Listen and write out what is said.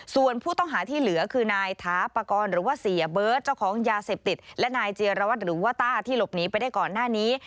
ส่วนผู้ต้องหาที่เหลือคือนายถาปากรหรือว่าเสียเบิร์ตเจ้าของยาเสพติดและนายเจียรวัตรหรือว่าต้าที่หลบหนีไปได้ก่อนหน้านี้